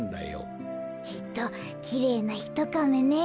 きっときれいなひとカメね。